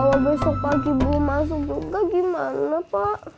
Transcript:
kalau besok pagi bu masuk juga gimana pak